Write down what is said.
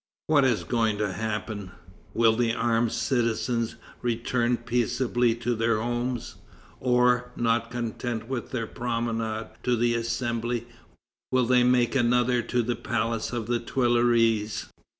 What is going to happen? Will the armed citizens return peaceably to their homes? Or, not content with their promenade to the Assembly, will they make another to the palace of the Tuileries?